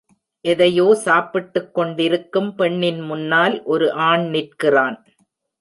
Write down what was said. எதையோ சாப்பிட்டுக் கொண்டிருக்கும் பெண்ணின் முன்னால் ஒரு ஆண் நிற்கிறான்.